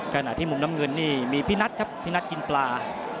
ขณะที่มุมน้ำเงินนี่มีพี่นัทครับพี่นัทกินปลา